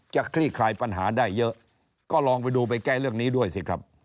คลี่คลายปัญหาได้เยอะก็ลองไปดูไปแก้เรื่องนี้ด้วยสิครับ